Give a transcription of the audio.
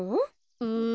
うん。